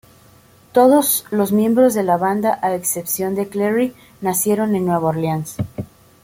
Todos los miembros de la banda, a excepción de Cleary, nacieron en Nueva Orleans.